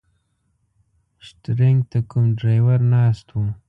شټرنګ ته کوم ډریور ناست و.